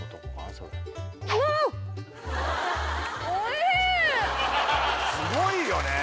それああっすごいよね